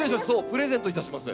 プレゼントいたします。